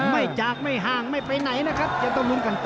ไม่จากไม่ห่างไม่ไปไหนนะครับยังต้องลุ้นกันต่อ